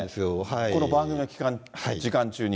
この番組の時間中に。